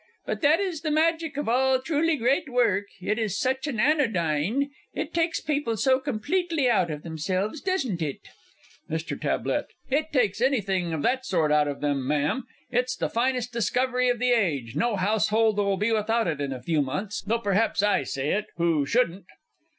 But that is the magic of all truly great work, it is such an anodyne it takes people so completely out of themselves doesn't it? MR. T. It takes anything of that sort out of them, Ma'am. It's the finest discovery of the age, no household will be without it in a few months though perhaps I say it who shouldn't.